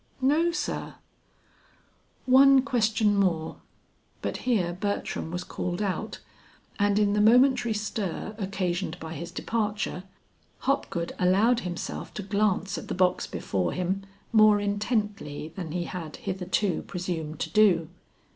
"No sir." "One question more " But here Bertram was called out, and in the momentary stir occasioned by his departure, Hopgood allowed himself to glance at the box before him more intently than he had hitherto presumed to do.